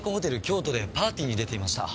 京都でパーティーに出ていました。